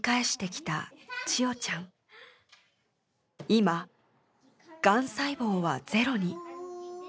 今がん細胞はゼロに。